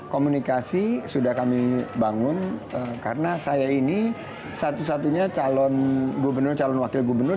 komunikasi sudah kami bangun karena saya ini satu satunya calon gubernur calon wakil gubernur